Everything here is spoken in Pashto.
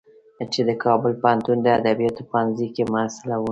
چې د کابل پوهنتون د ادبیاتو پوهنځی کې محصله وه.